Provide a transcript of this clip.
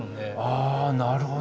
あなるほど。